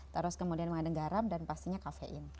terus kemudian mengandung garam dan pastinya kafein